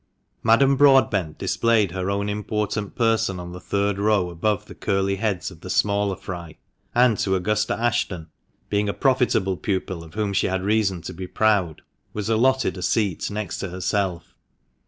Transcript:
Madame Broadbent displayed her own important person THE MANCHESTER MAN. 217 on the third row above the curly heads of the smaller fry, and to Augusta Ashton — being a profitable pupil of whom she had reason to be proud — was allotted a seat next to herself.